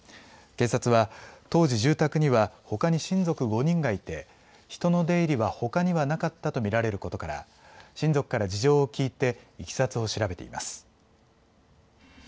警察は当時、住宅にはほかに親族５人がいて人の出入りはほかにはなかったと見られることから親族から事情を聞いていきさつを調べています。